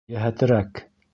Йәһәтерәк!